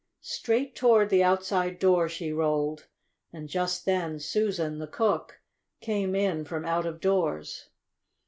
Straight toward the outside door she rolled, and just then Susan, the cook, came in from out of doors.